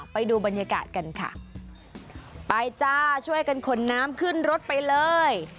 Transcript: ไปจ้าช่วยกันขนน้ำขึ้นรถไปเลย